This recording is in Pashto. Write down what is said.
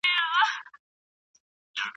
دوی پخوا د مقابل لوري په اړه معلومات نه لرل.